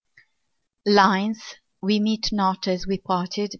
LINES: 'WE MEET NOT AS WE PARTED'.